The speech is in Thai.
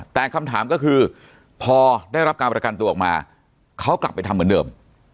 แต่คำถามก็คือพอได้รับการประกันตัวออกมาเขากลับไปทำเหมือนเดิม